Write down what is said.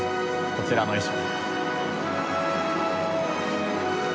こちらの衣装。